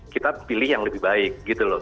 kita pilih yang lebih baik gitu loh